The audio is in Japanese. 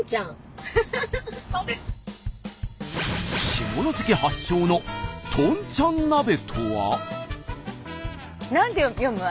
下関発祥のとんちゃん鍋とは？